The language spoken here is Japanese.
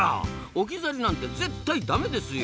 置き去りなんて絶対ダメですよ！